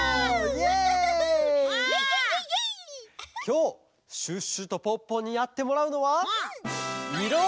きょうシュッシュとポッポにやってもらうのはＹｏ！